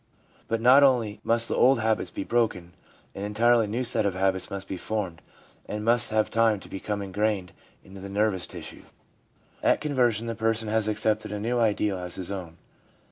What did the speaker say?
But not only must the old habits be broken, an entirely new set of habits must be formed, and must have time to become ingrained into the nervous tissue. At conversion the person has accepted a new ideal as his own.